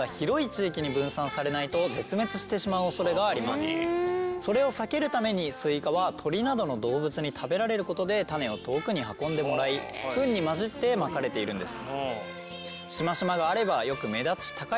スイカの原産地であるそれをさけるためにスイカは鳥などの動物に食べられることで種を遠くに運んでもらいフンに混じってまかれているんです。